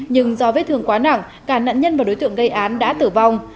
nhưng do vết thương quá nặng cả nạn nhân và đối tượng gây án đã tử vong